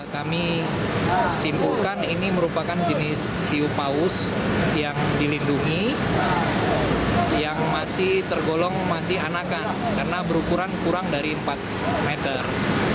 kami simpulkan ini merupakan jenis hiu paus yang dilindungi yang masih tergolong masih anakan karena berukuran kurang dari empat meter